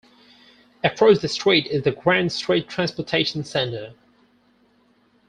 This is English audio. Across the street is the Grant Street Transportation Center.